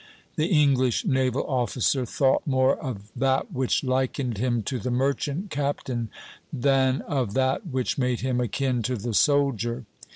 The English naval officer thought more of that which likened him to the merchant captain than of that which made him akin to the soldier.